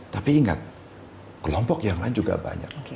tapi ingat kelompok yang lain juga banyak